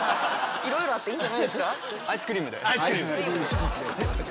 いろいろあっていいんじゃないですか？